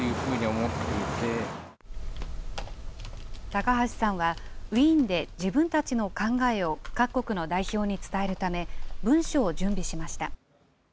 高橋さんは、ウィーンで自分たちの考えを各国の代表に伝えるため、文書を準備しました。